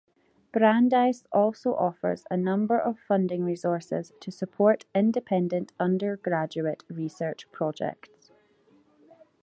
Brandeis also offers a number of funding resources to support independent undergraduate research projects.